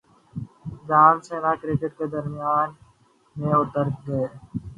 جان Cena cricket کے میدان میں اتر گئے